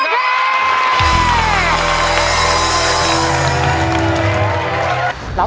ครับ